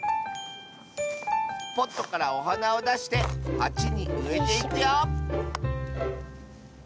ポットからおはなをだしてはちにうえていくよ